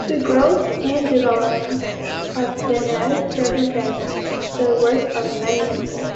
The growth and development of genetics represents the work of many people.